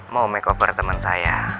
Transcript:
mau makeover temen saya